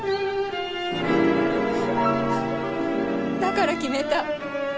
だから決めた。